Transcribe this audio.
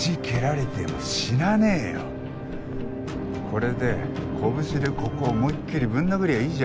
これで拳でここを思いっきりぶん殴りゃいいじゃん。